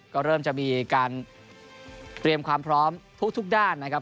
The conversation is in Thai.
ก็เริ่มจะมีการเตรียมความพร้อมทุกด้านนะครับ